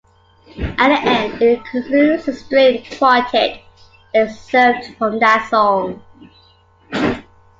At the end, it includes a string quartet excerpt from that song.